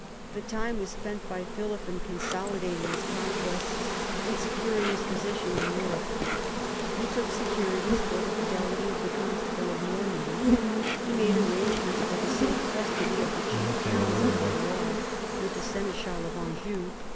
The time was spent by Philip in consolidating his conquests and securing his position in Europe. He took securities for the fidelity of the constable of Normandy. He made arrangements for the safe custody of the chief towns on the Loire with the seneschal of Anjou.